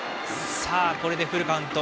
これでフルカウント。